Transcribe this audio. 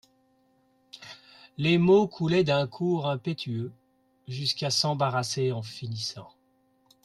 Les mots coulaient d'un cours impétueux, jusqu'à s'embarrasser en finissant.